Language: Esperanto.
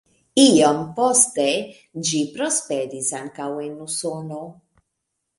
Iom poste ĝi prosperis ankaŭ en Usono.